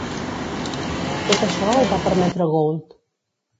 Tot això ho va permetre Gould.